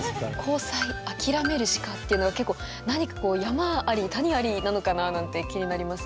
「交際あきらめるしか」っていうのが結構何か山あり谷ありなのかななんて気になりますね。